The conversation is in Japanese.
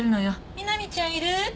美波ちゃんいる？